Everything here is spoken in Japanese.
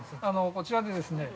こちらでですね